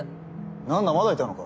何だまだいたのか。